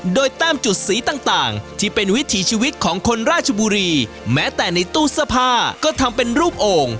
โดยแต้มจุดสีต่างที่เป็นวิถีชีวิตของคนราชบุรีแม้แต่ในตู้เสื้อผ้าก็ทำเป็นรูปโอ่ง